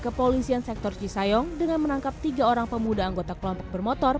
kepolisian sektor cisayong dengan menangkap tiga orang pemuda anggota kelompok bermotor